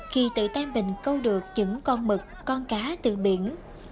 khi tự tan bình câu được những con mực con cá từ biển